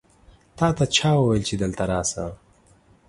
تا ته چا وویل چې دلته راسه؟